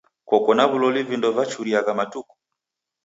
Koko na w'uloli vindo vachuriagha matuku?